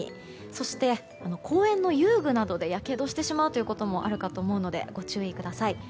そして公園の遊具などでやけどをしてしまうこともあるかと思うのでご注意ください。